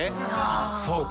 そうか。